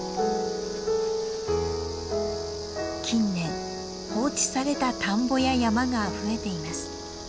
近年放置された田んぼや山が増えています。